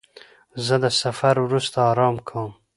زه د سفر وروسته آرام کوم.